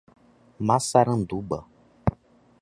Massaranduba